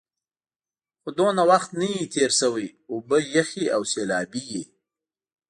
خو دومره وخت نه وي تېر شوی، اوبه یخې او سیلابي وې.